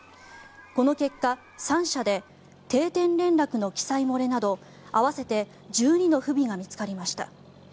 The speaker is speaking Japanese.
この結果、３社で定点連絡の記載漏れなど合わせて１２の不備が見つかりました。